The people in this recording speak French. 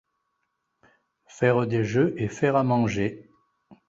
Faire des jeux et faire à manger.